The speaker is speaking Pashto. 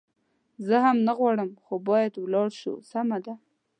زه هم نه غواړم، خو باید ولاړ شو، سمه ده.